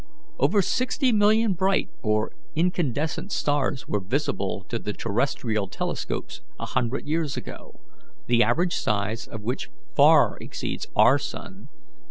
"Over sixty million bright or incandescent stars were visible to the terrestrial telescopes a hundred years ago, the average size of which far exceeds our sun.